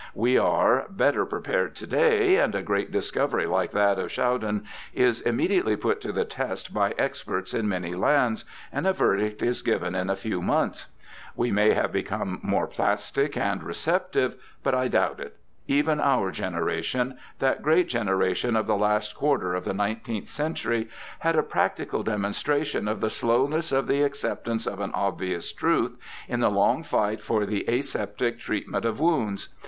We are better prepared to day ; and a great discovery like that of Schaudinn is immediately put to the test by experts in many lands, and a verdict is given in a few months. We may have become more plastic and receptive, but I doubt it ; even our generation — that great generation of the last quarter of the nineteenth century, had a practical demonstration of the slowness of the accepta tion of an obvious truth in the long fight for the aseptic treatment of wounds.